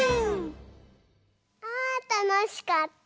あたのしかった！